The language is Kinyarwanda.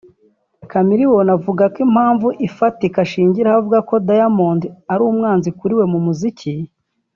Chameleone avuga ko impamvu ifatika ashingiraho avuga ko Diamond ari umwana kuri we mu muziki